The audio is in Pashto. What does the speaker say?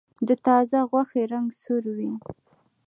د تازه غوښې رنګ سور وي.